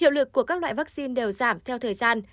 hiệu lực của các loại vaccine đều giảm theo thời gian